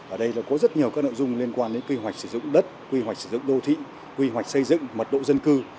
ở đây có rất nhiều các nội dung liên quan đến quy hoạch sử dụng đất quy hoạch sử dụng đô thị quy hoạch xây dựng mật độ dân cư